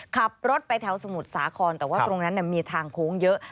ขับรถไปแถวสมุทรสาครแต่ว่าตรงนั้นมีทางโค้งเยอะ